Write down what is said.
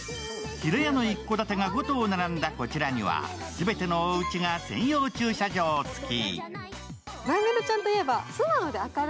平屋の一戸建てが５棟並んだこちらには全てのおうちが専用駐車場付き。